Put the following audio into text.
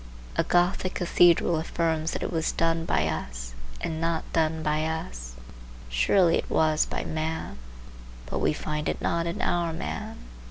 A Gothic cathedral affirms that it was done by us and not done by us. Surely it was by man, but we find it not in our man.